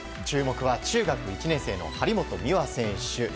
注目は中学１年生の張本美和選手。